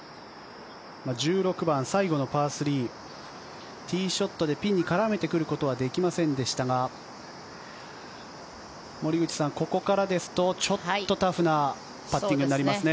１６番、最後のパー３ティーショットでピンに絡めてくることはできませんでしたが森口さん、ここからですとちょっとタフなパッティングになりますね。